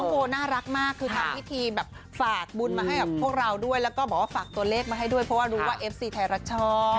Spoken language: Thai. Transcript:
โบน่ารักมากคือทำพิธีแบบฝากบุญมาให้กับพวกเราด้วยแล้วก็บอกว่าฝากตัวเลขมาให้ด้วยเพราะว่ารู้ว่าเอฟซีไทยรัฐชอบ